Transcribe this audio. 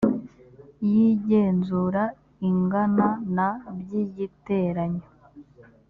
y igenzura angana na by igiteranyo